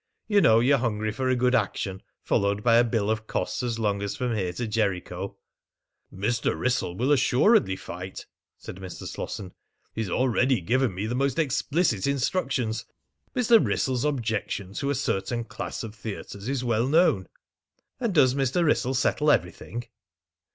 "You know you're hungry for a good action, followed by a bill of costs as long as from here to Jericho." "Mr. Wrissell will assuredly fight," said Mr. Slosson. "He has already given me the most explicit instructions. Mr. Wrissell's objection to a certain class of theatres is well known." "And does Mr. Wrissell settle everything?"